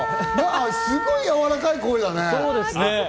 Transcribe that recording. すごいやわらかい声だね。